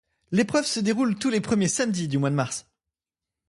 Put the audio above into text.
L’épreuve se déroule tous les premiers samedis du mois de mars.